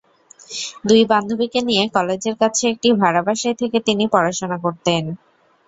দুই বান্ধবীকে নিয়ে কলেজের কাছে একটি ভাড়া বাসায় থেকে তিনি পড়াশোনা করতেন।